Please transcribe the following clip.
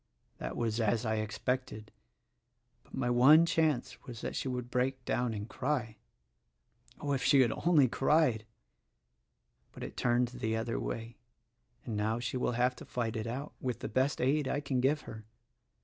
That was as I expected ; but my one chance was that she would break down and cry. Oh, if she had only cried! but it turned the other way; and now she will have to fight it out, with the best aid I can give her.